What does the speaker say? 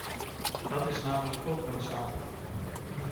Dat is namelijk ook noodzakelijk.